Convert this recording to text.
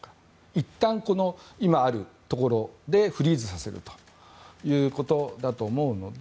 いったんこの今あるところでフリーズさせるということだと思うので。